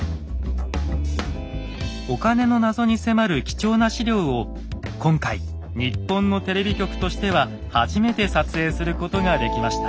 お金の謎に迫る貴重な史料を今回日本のテレビ局としては初めて撮影することができました。